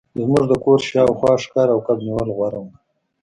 زموږ د کور شاوخوا ښکار او کب نیول غوره وو